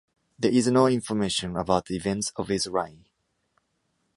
There is no information about the events of his reign.